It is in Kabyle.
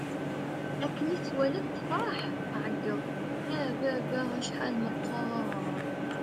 Akken i tt-walat, tefṛeḥ, tɛeggeḍ: A baba! Acḥal meqqeṛ!